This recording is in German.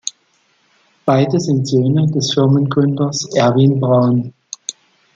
Beide sind Söhne des Firmengründers Erwin Braun.